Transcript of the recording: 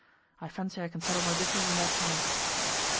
I fancy I can settle my business in that time.